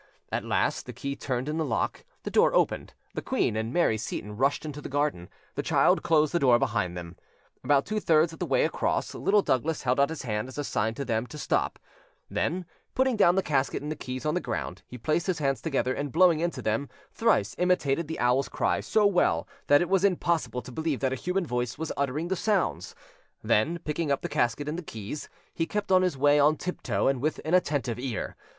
At last the key turned in the lock, the door opened; the queen and Mary Seyton rushed into the garden. The child closed the door behind them. About two thirds of the way across, Little Douglas held out his hand as a sign to them to stop; then, putting down the casket and the keys on the ground, he placed his hands together, and blowing into them, thrice imitated the owl's cry so well that it was impossible to believe that a human voice was uttering the sounds; then, picking up the casket and the keys, he kept on his way on tiptoe and with an attentive ear.